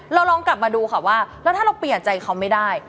เราลองกลับมาดูค่ะว่าแล้วถ้าเราเปลี่ยนใจเขาไม่ได้